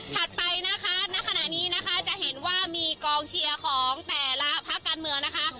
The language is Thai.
ไปนะคะณขณะนี้นะคะจะเห็นว่ามีกองเชียร์ของแต่ละภาคการเมืองนะคะ